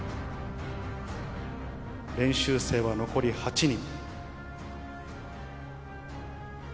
練習生は残り８人。